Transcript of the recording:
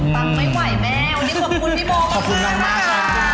ฟังไม่ไหวแม่วันนี้ขอบคุณพี่โบขอบคุณมากค่ะ